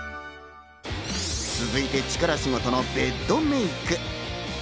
続いて、力仕事のベッドメイク。